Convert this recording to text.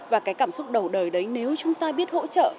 và cái cảm xúc đầu đời đấy nếu chúng ta biết hỗ trợ